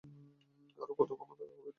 আরো কত ক্ষমতা হবে তার।